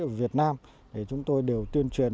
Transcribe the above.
ở việt nam thì chúng tôi đều tuyên truyền